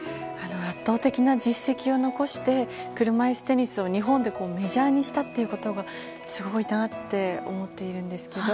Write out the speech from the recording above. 圧倒的な実績を残して車いすテニスを日本でメジャーにしたってことがすごいと思っているんですけど。